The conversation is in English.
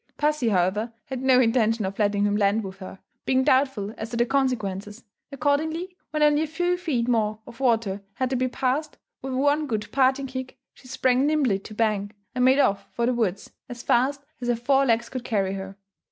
Pussy, however, had no intention of letting him land with her, being doubtful as to the consequences; accordingly, when only a few feet more of water had to be passed, with one good parting kick, she sprang nimbly to bank, and made off for the woods as fast as four legs could carry her.